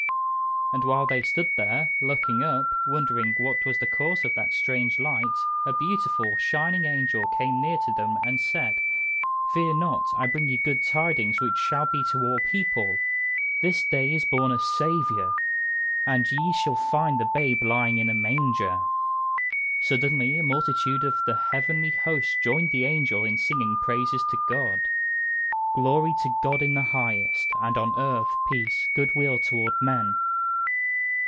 And while they stood there, looking up, wondering what was the cause of that strange light, a beautiful, shining angel came near to them and said: "Fear not. I bring you good tidings which shall be to all people. This day is born a Saviour, and ye shall find the babe lying in a manger." Suddenly a multitude of the heavenly host joined the angel in singing praises to God. "_Glory to God in the highest, and on earth Peace, good will toward men.